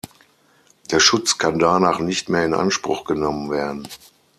Der Schutz kann danach nicht mehr in Anspruch genommen werden.